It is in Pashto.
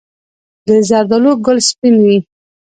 د زردالو ګل سپین وي؟